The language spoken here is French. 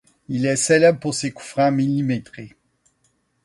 Il est célèbre pour ses coups francs millimétrés.